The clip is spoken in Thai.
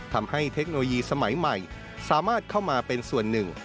เทคโนโลยีสมัยใหม่สามารถเข้ามาเป็นส่วนหนึ่ง